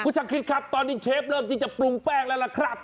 คุณชาคริสครับตอนนี้เชฟเริ่มที่จะปรุงแป้งแล้วล่ะครับ